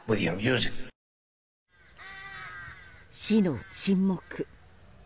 死の沈黙。